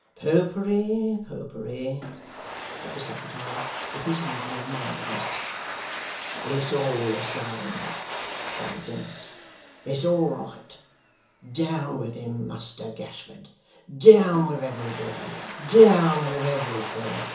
'Popery, Popery,' said the secretary with his usual mildness. 'It's all the same!' cried Dennis. 'It's all right. Down with him, Muster Gashford. Down with everybody, down with everything!